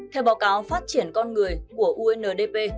theo báo cáo phát triển con người của undp